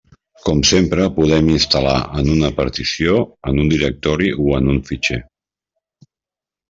Com sempre podem instal·lar en una partició, en un directori o en un fitxer.